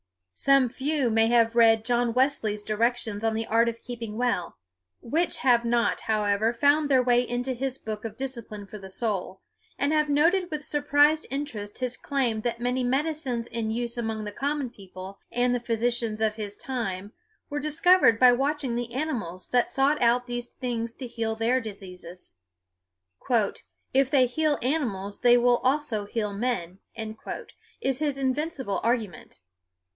Some few may have read John Wesley's directions on the art of keeping well which have not, however, found their way into his book of discipline for the soul and have noted with surprised interest his claim that many medicines in use among the common people and the physicians of his time were discovered by watching the animals that sought out these things to heal their diseases. "If they heal animals they will also heal men," is his invincible argument.